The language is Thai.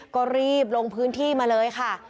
ก็รีบลงพื้นที่มาเลยค่ะ